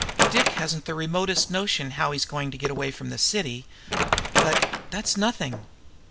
Dick hasn't the remotest notion how he's going to get away from the city. But that's nothing.